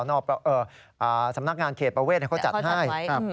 หรือว่าสำนักงานเขตประเวทจะส่งจัดให้